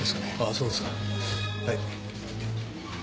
そうですかはい。